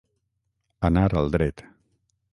Anar al dret.